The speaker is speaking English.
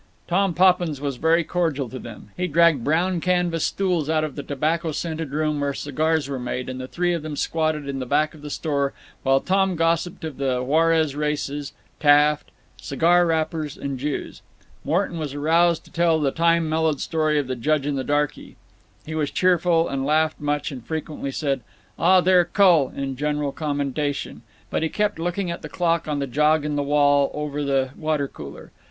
Tom Poppins was very cordial to them. He dragged brown canvas stools out of the tobacco scented room where cigars were made, and the three of them squatted in the back of the store, while Tom gossiped of the Juarez races, Taft, cigar wrappers, and Jews. Morton was aroused to tell the time mellowed story of the judge and the darky. He was cheerful and laughed much and frequently said "Ah there, cull!" in general commendation. But he kept looking at the clock on the jog in the wall over the watercooler.